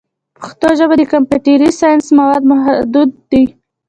دغه حالت خلک ډېر په تنګ کړي و.